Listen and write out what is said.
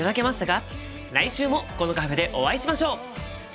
来週もこのカフェでお会いしましょう！